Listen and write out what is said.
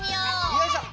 よいしょ。